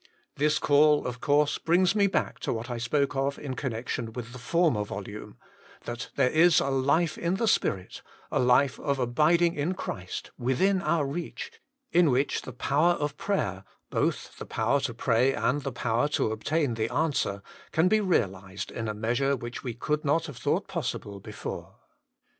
This call, of course, brings me back to what I spoke of in connection with the former volume : that there is a life in the Spirit, a life of abiding in Christ, within our reach, in which the power of prayer both the power to pray and the power to obtain the answer can be realised in a measure which we could not have thought possible before.